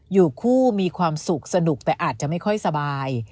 อยู่คู่มีความสุขสนุกแต่อาจจะไม่ค่อยสบาย